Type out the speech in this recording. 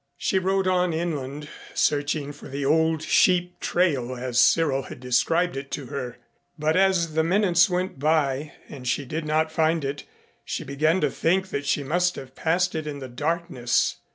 She rode on inland searching for the old sheep trail as Cyril had described it to her, but as the minutes went by and she did not find it she began to think that she must have passed it in the darkness.